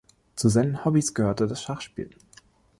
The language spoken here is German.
Zu seinen Hobbys gehörte das Schachspiel.